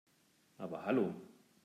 Aber hallo!